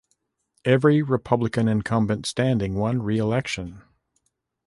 Every Republican incumbent standing won re-election.